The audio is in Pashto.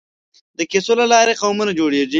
د کیسو له لارې قومونه جوړېږي.